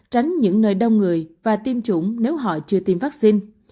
tránh những nơi đông người và tiêm chủng nếu họ chưa tiêm vaccine